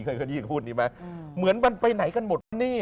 เคยขยี้พูดนี้ไหมเหมือนมันไปไหนกันหมดวะนี่